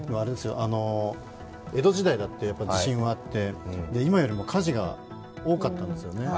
江戸時代だって地震はあって今よりも火事が多かったんですよね。